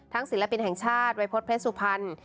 ศิลปินแห่งชาติวัยพฤษเพชรสุพรรณ